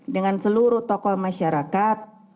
dengan seluruh tokoh masyarakat